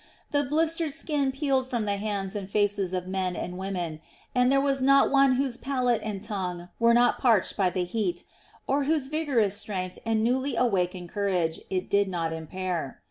The blistered skin peeled from the hands and faces of men and women, and there was not one whose palate and tongue were not parched by the heat, or whose vigorous strength and newly awakened courage it did not impair.